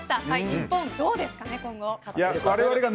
日本どうですかね、今後。